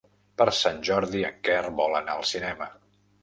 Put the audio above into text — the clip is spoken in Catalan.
Per Sant Jordi en Quer vol anar al cinema.